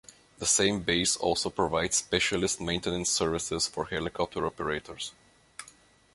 The same base also provides specialist maintenance services for helicopter operators.